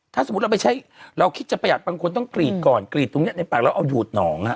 ถ้าสมมุติเราไปใช้เราคิดจะประหยัดบางคนต้องกรีดก่อนกรีดตรงนี้ในปากเราเอาดูดหนองฮะ